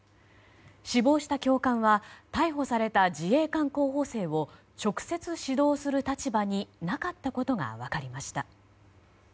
死亡した教官は逮捕された自衛官候補生を直接指導する立場になかったことが分かりました。